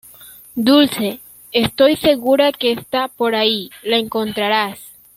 Dulce, estoy segura que está por ahí. Lo encontrarás.